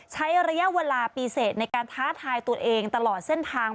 ใช้ระยะเวลาปีเสร็จในการท้าทายตัวเองตลอดเส้นทาง